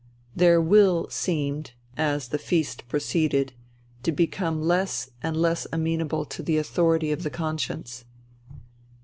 Their will seemed, as the feast proceeded, to become less and less amenable to the authority of the conscience.